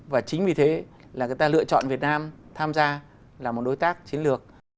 và chính vì thế là người ta lựa chọn việt nam tham gia là một đối tác chiến lược